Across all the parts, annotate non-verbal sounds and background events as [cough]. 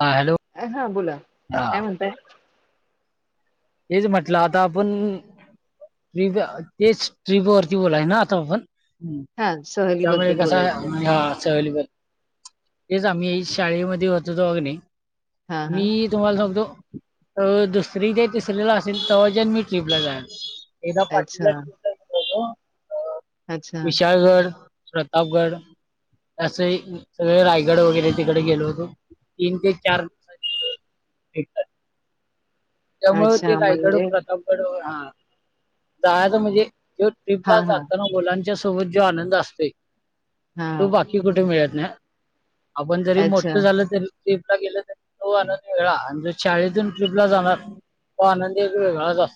हा हॅलो हा बोला हा काय म्हणतय तेच म्हटलं आता आपण ट्रीप तेच ट्रीपवररती बोलाय ना आता आपण हम्म हा मग त्यामुळे सहलीबद्दल कस बोलायचंय म्हणज असवेलेब तेच आम्ही शाळेमध्ये होत होतो अग्ने हा हा मी तुम्हाला सगतो दुसरी ज तिसरला असेल तेव्हाजन मी ट्र्रीपला जान अच्छा अच्छा विशालगड प्रतापगड असं सगळे रायगड वगैरे तिकडे गेलो होतो तीन ते चार दिवसात गेो ठी आहे त्यामुळे ते अच्छा लायगड म्हणजे प्र बडोर हा जायच म्हणजे ज हा ट्र्रीपला हा जात ना मुलांच्या सोबत जो आनंद असतो हा तो बाकी कुठे मिळत ना आपण जरी अच्छा मोठं झालं तरी ट्र्रीपला गेलं तर न आणनंद वेगळा आणि जो शाळेतून ट्र्रीपला जाणार हो आनंद एक वेगळा आ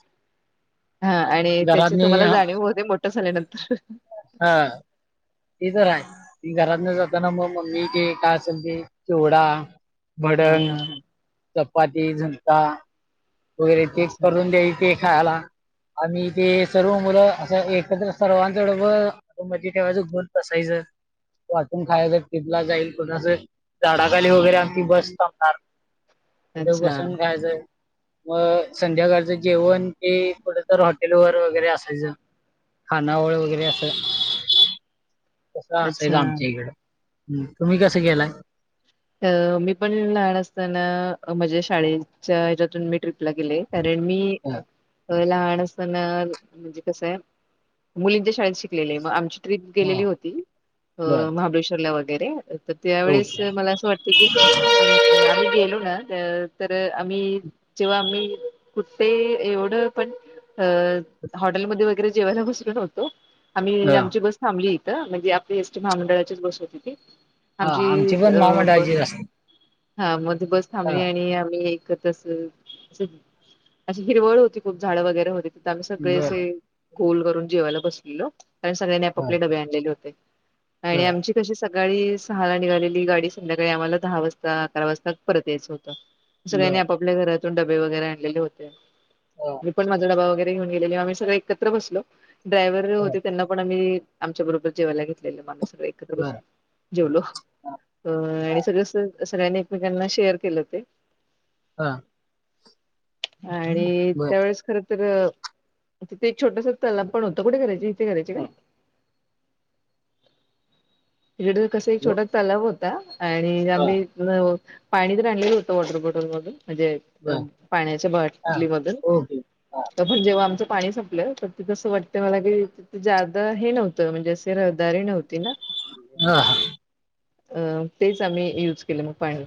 हा आणि त्याची तुम्हाला जाणीव होते मोठ झाल्यानंतर हा ते तर आहे घरात न जाताना मग मम्मी ते काय असेल ते तेवढा हा भडण हा चपाती झंका वगैरे ते अच्छा करून द्यायचे खायला आणि ते सर्व मुलं असं एकत्र सर्वांचब मज ठेवायचं गण तसायच वाटून खाय तर टिथला जाईल कोणा अस झाडाखाली वगैरे आणी बस थबणार इथं अच्छा बसून कायचंय मग संध्याकाळचं जेवण ते थोडं तर हॉटेलवरर वगैरे असायचं खानावळ वगैरे असं कस अच्छा असायच आमच्या इकडं तुम्ही कसं केलाय अ मी पण लहान असताना म्हझज्या शाळेच्या हच्यातून मी ट्रिप गेलं कारण मी हं. व मा म्हणजे कसय मुलींच्या शाळेत शिकलेले आहे आम टप हं. गेलेली होती बर महाबळेश्वरला वगैरे तर त्यावेळेस ओके मला वाटते की आम्ही गेलो ना तर आम्ही जेव्हा आम्ही कुठते एवढं पण अ हॉटेलमध्ये वगैरे जेवायला बसल नव्हतो आम्ही हं. आमची बस थांबली इथं म्हणजे आपली एसटी महामंडळाचीच बस होती ती आमची अ ब [inaudible] हा मध्ये बस थांबली हं. आणि आम्ही एकत तस अशी हिरवळ होती खूप झाडं वगैरे होती तिथ आम्ही सगळे बर असे गोल करून जेवायला बसलेलं कारण सगळ्यांनी हं. आपापले डबे आणलेले होते आणि बर आमची तशी सकाळी सहाला निघालेली गाडी संध्याकाळी आम्हाला दहा वाजता. अकरा वाजता परत यायचं होतं सगळ्यांनी बर आप आपल्या घरातून डबे वगैरे आणलेले होते हं. मी पण माझा डबा वगैरे न गेलेले आम्ही सग एकत्र बसलो ड्रायव्ह हं. होते त्यांना पण आम्ही आमच्या बरोबर जेवायला घेतलेलं मग आम्ही सगळं एकत्र बर बसून जेवलो हं. अ आणि सगळं सगळ्यांनी एकमेकांना शेअर केले होते. हा आणि बर त्यावेळेस खरच तर तिथे एक छोटस तलाव पण होतं कुठे करायची इथे करायचे काय [unintelligible] तिकड कसा एक हॅलो छोटा तलाव होता आणि हं. आम्ही पाणीतर आणल होत वॉटर बॉटलधून म्हणजे बर अ पाण्याच्या हा बाटली मधुन ओके हा पण जेव्हा आमचं पाणी संपलं तर तिथसं वाटतं मला की ज्यादा हे नव्हतं म्हणजे असे रहदारी नव्हती ना हा हा अं तेच आम्ही यूज केले मग पाणी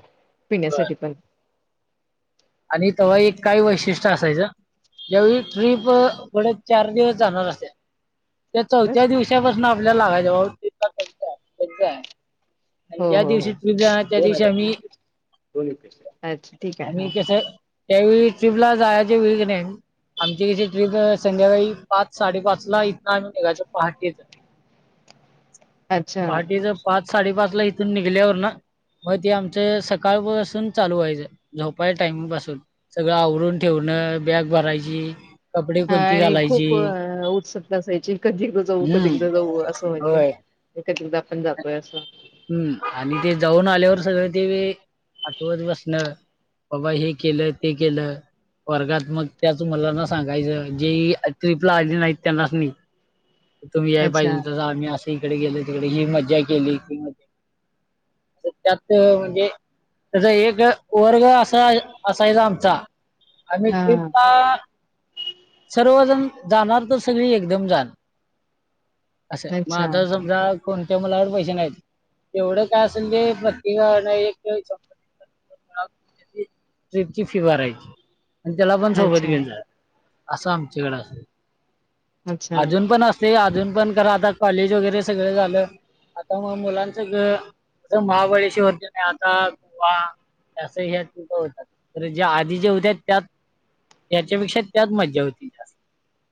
बर पिण्यासाठी पण आणि तेव्हा एक काय वैशिष्ट्य असायचं जवेळी ट्रीप पुढ चार दिवस जाणार असते त्या बस चौथ्या दिवसापासून आपल्याला लागायच त्यां आहे त्यांच आहे आणि हो ज्या हो हो दिवशी ट्र्रीप जाणार त्या दिवशी आम्ही अच्छा ठीक आहे आम्ही हा कस त्यावेळी ट्रीपला जायचे वेळ नाही आमची कची ट्रीप संध्याकाळी पाच साडेपाच ला इथन आणि निघाय पहाटेच अच्छा पहाटीच पाच साडेपाच ला इथून निघल्यावर ना मग ते आमच सकाळपासून चालू व्हााच झोपायच्या टाइमिंग पासून सगळं आवरून ठेवणं. बॅग भरायची कपडे हा कोणती आणि खूप घालायची उत्सुकता असायची कधी एकदा जाऊ कधी एकदा हम्म जाऊ असं व्हायचं. होय एकचदा आपण जातोय अस हं आणि ते जाऊन आल्यावर सगळं ते आठवत बसणं बाबा हे केलं ते केलं वर्गात्मक त्याच मला ना सांगायचं जे ट्रिपला आली नाहीत त्यांनाच नाही तुम्ही याय अच्छा पाहिजे तस आम्ही असं इकडे गेलो तिकडे ही मजा केली क त्यात म्हणजे त्याचा एक वर्ग असा असायचा आमचा आ हा ट्रिपला सर्वजण जाणार तर सगळी एकदम जाणार असं मग अच्छा आता समजा कोणत्या मुलावर पैसे नाही तेवढं काय असेल जे [unintelligible] ट्रिपची फी भरायची आणि त्याला पण सोबत अच्छा घेऊन जा असं आमच्याकडे अच्छा अजून पण अस ते अजून पण करा आता कॉलेज वगैरे सगळं झालं आता मग मुलांच सगळं अस महाबळेश्वर जन आहे आता गोवा त्या ह [unintelligible] क होतात तर ज्या आधी जे होत्या त्यात त्याच्यापेक्षा त्यात मज्जा होती जास्त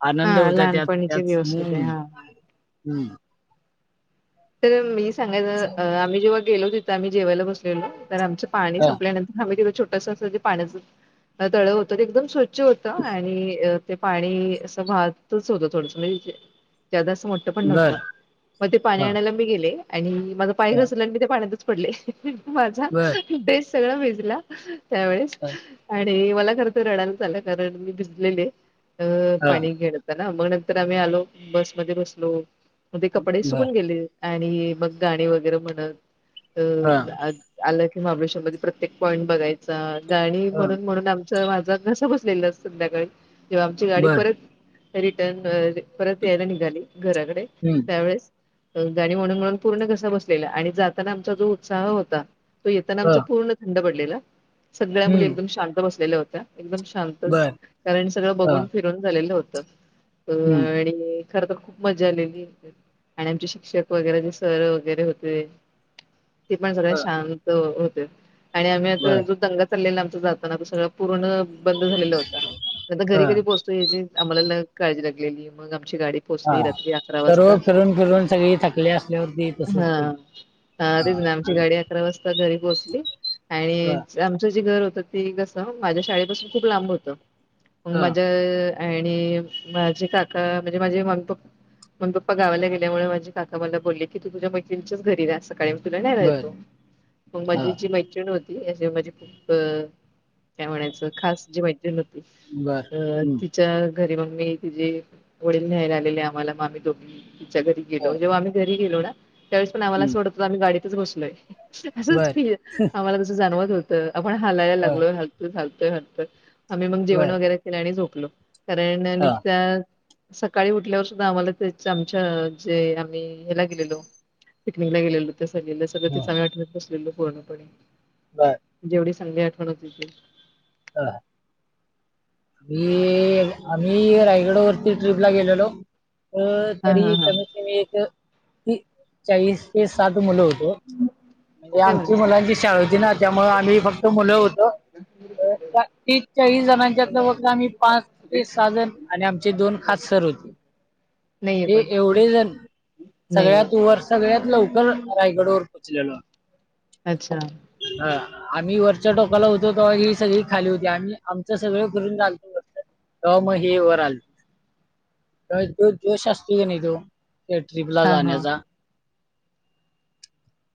आनंद हा होता त्यात लहानपणीचे त्यात दिवस होते हं हा हा. हं तर मी असं. सांगायचं आम्ही जेव्हा गेलो तिथं आम्ही जेवायला बसलेलो तर आमचं पाणी हा, संपल्यानंतर आम्ही छोटस पाण्याचं तळं होतं ते एकदम स्वच्छ होत आणि ते पाणी असं वाहतच होत थोड ज्यादा म्हणजे मोठ मग बर ते पाणी हा, आणायला मी गेले आणि माझ पाय हा, घसरला आणि पाण्यात पडले माझा बर ड्रेस सगळा भिजला त्यावेळेस हां, आणि मला खर तर रडालायच आला कारण मी भिजलेले अ पाणी घेळ [unintelligible] ना मग नंतर आम्ही आलो बसमध्ये बसलो म कपडे बरं. सुकून गेले आणि मग गाणी वगैरे म्हणत हां, अ आलं की महा हां, माझं घसा बसलेला अस संध्याकाळी जेव्हा आमची गाडी बरं. परत रिटर्न परत यायला निघाली घराकडे हम्म त्यावेळेस गाणी म्हणून म्हणून पूर्ण बसलेला आणि जातना आमचा जो उत्साह होता तो येताना आमचा हां, पूर्ण थंड पडलेला सगळ्या मुली हं, एकदम शांत बसलेल्या होत्या एकदम शांत बरं. कारण सगळं बघून हां, फिरून झालेलं होतं अ हं, आणि खर तर खूप मजा आलेली आणि आमचे शिक्षक वगैरे जे सर वगैरे होते ते पण सगळ्यात हां, शांत होते. आणि आम्ही आता बरं. जो दंगा चाललेला आमचा जाताना तो सगळं पूर्ण बंद झालेला होता त्यांत घरी हां, पोहचतो यायची आम्हाला काळजी लागलेली मग आमची गाडी हा पोहोचली रात्री अकरा सर्व वाजता. फिरून फिरून सगळी थकली असली होती हा तेच ना आमची आणि गाडी अकरा वाजता घरी पोहोचली आणि हां, आमचं जे घर होतं ते कस माझ्या शाळेपासून खूप लांब होतं मग हां, माझ्या आणि माझे काका म्हणजे माझे मम्मीप् मम्मीप्पा गावाला गेल्यामुळे माझी काका मला बोलले की तू तुझ्या मैत्रिणीच्याच घरी रा सकाळी मी तुला न्यायला बरं. येतो मग माझी हां, जी मैत्रिण होती म्हणजे खूप काय म्हणायचं खास जे मै बरं. [unintelligible] [inaudible] अ हं, तिच्या घरी मग मी तिझे वडील न्यायला आलेले आम्हाला म आम्ही दोघी तिच्या घरी हां, गेलो जेव्हा आम्ही घरी गेलो ना त्यावेळेस पण आम्हाला हं, सोडतो आम्ही गाडीतच बसलोय असंच बरं. आम्हाला तसं जाणवत होतं आपण हलायला हां, लागलोत घलतोय हरतोय आम्ही मग जेवण बरं. वगैरे केलं आणि झोपलो कारण हां, त्या सकाळी उठल्यावर सुद्धा आम्हाला त्या ते आम्ही हयाला गेलेलो पिकनिकला गेलेलो त्या स सगळ ते हं, चांगल्या आठवणत बसलेल पूर्णपणे बरं. जेवढी चांगली आठवण हो हो ती हा आम्ही रायगडा वरती ट्रीपला गेलेलो अ हा तरी हा हा. कमीत कमी एक चाळीस ते सात मुलं होते म्हणजे काय आमची म्हणायच मुलांची शाळेची ना त्यामुळे आम्ही फक्त मुलं होतो. तीस चाळीस जणां च्यातलं फक्त आम्ही पाच ते सहा जण आणि आमचे दोन खास सर होते नाहीये हे पण. एवढे जण नाहीये सगळ्यात वर सगळ्यात लवकर रायगड वर पोहोचलेलो. अच्छा ह आम्ही वरच्या टोकाला होतो ते सगळी खाली होती आणि आमचं सगळं करून झाले तेव्हा मगं ते वर आले. तो जोश असतं की नाही तो त्या ट्रिपला हा हा जाण्याचा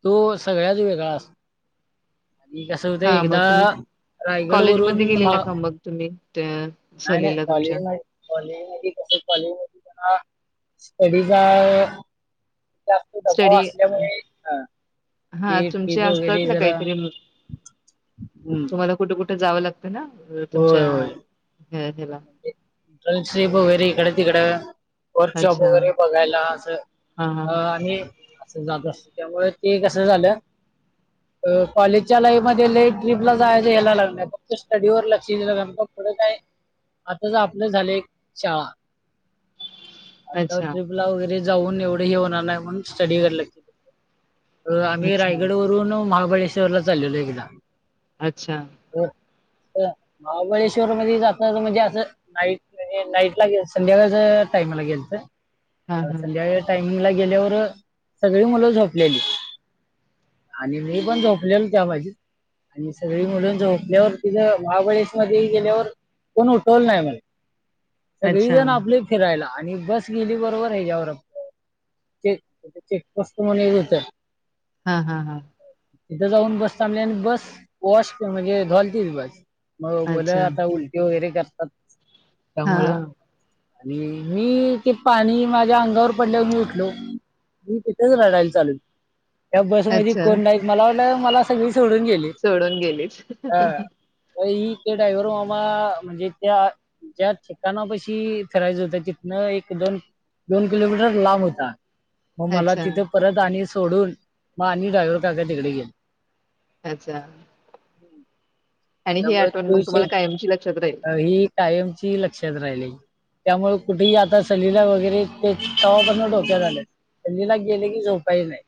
तो सगळ्याच वेगळा असतो आणि कसं होतं हा मग एकदा तुम्ही रायगड वरून कॉलेजमध्ये गेलेला का मग तुम्ही त्या नाही नाही सहलीला कॉल तुमच्या येईल ना. कॉलेज मध्ये कसं कॉलेज मध्ये स्टडी जा ह दबाव स्टडी असल्यामुळे हा ते ठीक तुमचे वगैरे असतात ना जरा काहीतरी हम्म तुम्हाला कुठे कुठे जावं लागतं ना होय तुमच्याला स्लीप वगैरे इकडे तिकडे वर चोप अच्छा वगैरे बघायला असं हा हा अ हा आणि असं जात अस त्यामुळे ते कसं झालं. कॉलेजच्या लाईफ मध्ये लै ट्रीप ला जायच यायला लागणार फक्त स्टडीवर लक्ष दिले ना लागणारं पुढं काय आता आपलं झाले एक शाळा आता अच्छा ट्रिप वगैरे जाऊन एवढं होणार नाही म्हणून स्टडी वर लक्ष आम्ही अच्छा रायगड तरून महाबळेश्वरला चालो एकदा अच्छा हो महाबळेश्वर मध्ये जाता म्हणजे असं नाईट म्हणज नाईटला गे संध्याकाळच टाइमाला गेयच हा हा संध्याकाळ टायमिंग ला गेल्यावर सगळी मुलं झोपलेली आणि मी पण झोपलेल त्या भाजी आणि सगळी मिळून झोपल्यावर तिथं महाबळेश मध्ये गेल्यावर कोण उठव नाही मला सगळी अच्छा जण आपले फिरायला आणि बस गेली बरोबर ह्याच्यावर चेक कष्ट मन ये होत हा हा हा इथं जाऊन बस थांबली आणि बस वॉश म्हणजे धॉलतील बस मग अच्छा मुलं आता उलटी वगैरे करतात हा त्यामुळ आणि मी ते पाणी माझ्या अंगावर पडल्यावर मी उठलो मी तथच लढाल चालू त्या बस म अच्छा कोण नाही मला वाटलं मला सगळी सोडून गेली सोडून गेलीच हा. ही ते ड्रायव्हर मामा म्हणजे त्या ज्या ठिकाणा पशी फिरायच होत तिथनं एक दोन दोन किलोमीटर लांब होता. मग मला अच्छा तिथे परत आणि सोडून मग आणि ड्रायव्हर काका तिकडे गेले अच्छा आणि ही गम आठवण तू मग तुम्हाला कायमची लक्षात राहील अ टायमची लक्षात राहिले त्यामुळे कुठेही आता सलीला वगैरे ते तवा प डोक्या झाल्या पल्लीला गेले की झोपाही नाही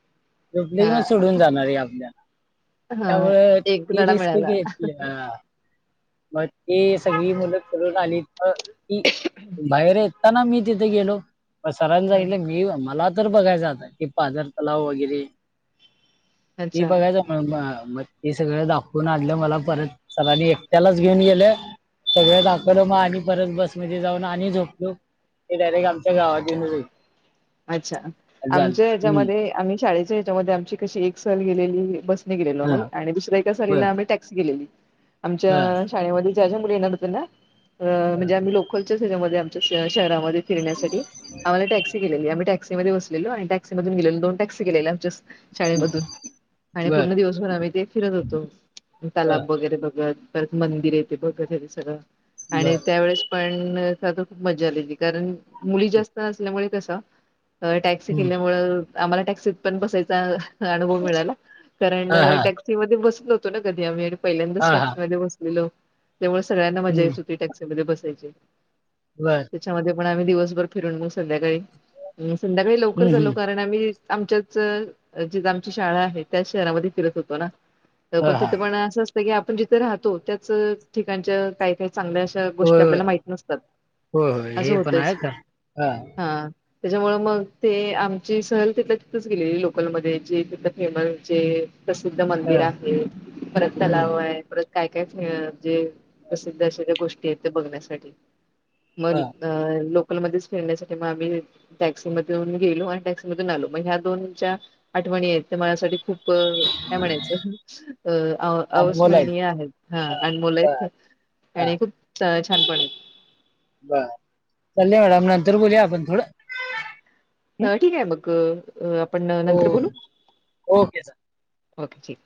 झोपले कि मग हा सोडून जाणार आहे आपल्याला हा त्यामुळे एक धडा तिरिसक मिळाला घेतले मग त सगळी मुलं चलून आली की बाहेर यताना मी तिथे गेलो सरां जागलं मी मला तर बघायचं आता कि पाजर तलाव वगैरे ते अच्छा बघायचं म मग ते सगळं दाखवून आणलं मला परत सलानी एकट्यालाच घेऊन गेलं सगळे लाग ल मग आणि परत बसमध्ये जाऊन आणि झोपलो ते डायरेक्ट आमच्या गावात घेऊनचई अच्छा आमच्या हम्म ह्याच्यामध्ये आम्ही शाळेच्या हच्यामध्ये आमची कशी एक सल गेलेली बस लो हा आ् द्या एका बर साला आम्ही टॅक्सी गे हा आमच्या शाळे ज मु येणार हो ना हा, म्हणजे आम्ही लोकलच्या त्याच्यामध्ये आमच्या शहरामध्ये फिरण्यासाठी आम्हाला टॅक्सी केलेली आम्ही टॅक्सीध्ये बसलेलो आणि टॅक्सीधून गेलेलो दोन टॅक्सी केले जस्ट शाळेमधून आणि पूर्ण बर दिवस घर आम ते फिरत होतो हा तलाब वगैरे बघत परत मंदिर येते बघत हे सगळं आणि बर त्यावेळेस पण तर खूप मज्जा आले त कारण मुली जास्त नल्यामुळे टॅक्सी हम्म केल्यामुळे आम्हाला टॅक्सीत पण बसायच अनुभव मिळाला कारण हा हा टॅक्सी म बसत जाततो ना कधी आम्ही आणि हा पहिल्यांदच हा टॅक्सी मध्ये बसत ो त्यामुळे सगळ्यांना मजा हम्म येत होती टॅक्सी मध्ये बसायची नाहीय त्याच्यामध्ये पण आम्ही दिवसभर फिरून मग संध्याकाळी संध्याकाळी लवकर हम्म झालो हम्म कारण आम्ही आमच्याच जी आमची शाळा आहे त्या शहरामध्ये फिरत होतो ना हा पण हा तिथं पण असं असतं की आपण जिथे राहतो त्याच ठिकाणच्या काही काही चांगल्या अस होय गोष्टी होय आपल्याला माहित नसतात होय होय असं हे होत पण आहे का हा त्याच्यामुळं मग ते आमची सहल तिथलं तिथच गेलेली लोकलमध्ये जे तिथलं फेमस जे प्रसिद्ध हा मंदिर आहे परत हम्म तलाव आहे परत काय काये जे प्रसिद्ध असे ज गोष्टी आहेत ते बघण्यासाठी हा मग अ लोकलमध्येध्येच फिरण्यासाठी मग आम्ही टॅक्सी मधून गेलो आणि टॅक्सीमधून आलो मग ह्या दोन ज्या आठवणी आहेत त्या माझसाठी खूप काय म्हणायचं अ आणि बोलायचं अवस्मरणीय आहेत हा आणि मुलात हा आणि खूप छानपण बर चाले मॅडम नंतर बोलया आपण थोडं हम्म? ठीक आहे मग आपण ओ नंतर बोलू ओके ओके ठीक